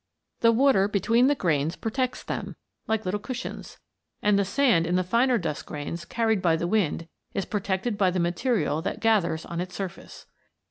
The water between the grains protects them; like little cushions. And the sand in the finer dust grains carried by the wind is protected by the material that gathers on its surface.